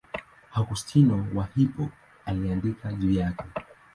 Augustino wa Hippo aliandika juu yake.